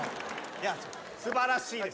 いや素晴らしいです。